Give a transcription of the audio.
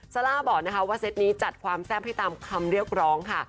ซาร่าบอกนะคะว่าเซตนี้จัดความแซ่บให้ตามคำเรียกร้องค่ะ